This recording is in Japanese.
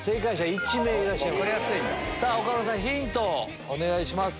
岡村さんヒントをお願いします。